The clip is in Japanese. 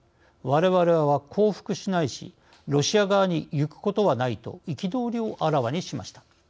われわれは降伏しないしロシア側に行くことはない」と憤りをあらわにしました。